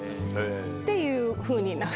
っていうふうに。